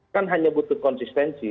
kan hanya butuh konsistensi